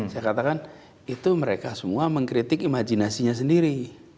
saya katakan itu mereka semua mengkritik imajinasinya sendiri